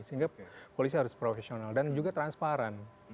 sehingga polisi harus profesional dan juga transparan